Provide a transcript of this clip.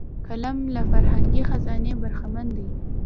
قلم له فرهنګي خزانې برخمن دی